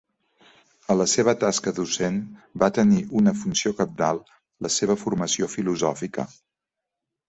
A la seva tasca docent va tenir una funció cabdal la seva formació filosòfica.